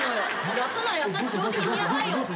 やったならやったって正直に言いなさいよ。